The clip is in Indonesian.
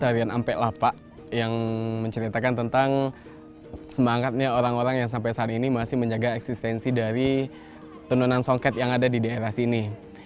tarian ampek lapak yang menceritakan tentang semangatnya orang orang yang sampai saat ini masih menjaga eksistensi dari tenunan songket yang ada di daerah sini